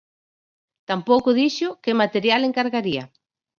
Tampouco dixo que material encargaría.